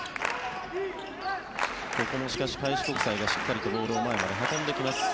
ここもしかし、開志国際がしっかりとボールを前まで運んできます。